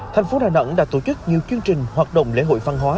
thành phố đà nẵng đã tổ chức nhiều chương trình hoạt động lễ hội văn hóa